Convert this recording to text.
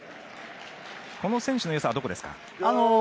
この選手のよさはどこですか？